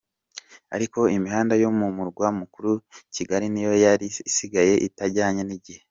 Ariko imihanda yo mu Murwa mukuru Kigali niyo yari isigaye itajyanye n’igihe.